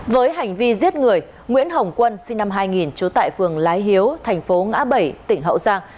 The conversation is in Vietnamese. với hành vi giết người nguyễn hồng quân sinh năm hai nghìn trú tại phường lái hiếu thành phố ngã bảy tỉnh hậu giang